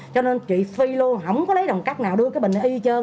cho nên chị phi luôn không có lấy đồng cắt nào đưa cái bình này y chơn